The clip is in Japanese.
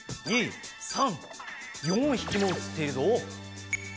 １２３４ひきもうつっているぞ。